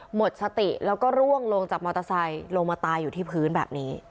หมดสติแล้วก็ร่วงลงจากมอเตอร์ไซค์ลงมาตายอยู่ที่พื้นแบบนี้